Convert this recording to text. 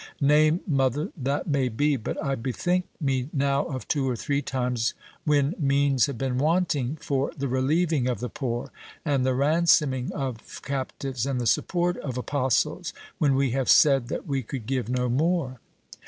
"Nay, mother, that may be; but I bethink me now of two or three times when means have been wanting for the relieving of the poor, and the ransoming of captives, and the support of apostles, when we have said that we could give no more."